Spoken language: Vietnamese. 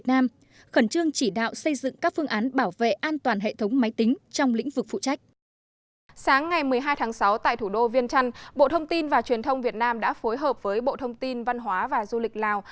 sáng ngày hai tháng sáu tại thủ đô viên trăn bộ thông tin và truyền thông việt nam đã phối hợp với bộ thông tin văn hóa và du lịch lào